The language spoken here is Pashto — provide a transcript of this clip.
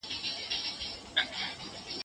موږ منفي هم تمرين کوو.